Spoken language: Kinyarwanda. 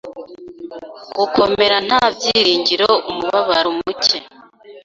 Gukomera nta byiringiro umubabaro muke